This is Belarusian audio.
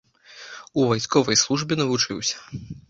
У вайсковай службе навучыўся.